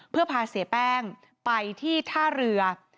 เพื่อพาเสียแป้งไปที่ท่าเรือ